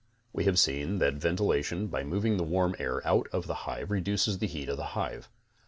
We have seen that ventilation, by moving the warm air out of the hive reduces the heat of the hive.